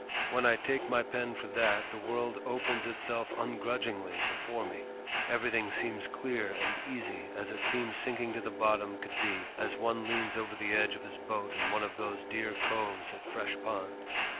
When I take my pen for that, the world opens itself ungrudgingly before me; everything seems clear and easy, as it seems sinking to the bottom could be as one leans over the edge of his boat in one of those dear coves at Fresh Pond....